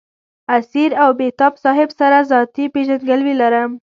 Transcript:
اسیر او بېتاب صاحب سره ذاتي پېژندګلوي لرم.